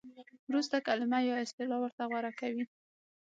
ورسته کلمه یا اصطلاح ورته غوره کوي.